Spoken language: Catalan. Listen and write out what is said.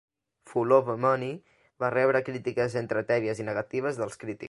"For Love or Money" va rebre crítiques entre tèbies i negatives dels crítics.